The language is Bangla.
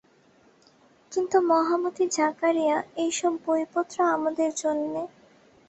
কিন্তু মহামতি জাকারিয়া, এইসব বইপত্র আমাদের জন্যে।